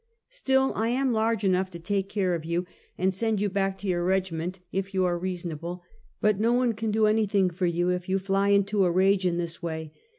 " Still, I am large enough to take care of you and send you back to your regiment if you are reasonable: but no one can do anything for you if you fly into a rage in this way!"